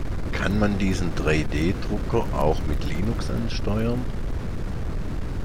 Kann man diesen Drei-D-Drucker auch mit Linux ansteuern?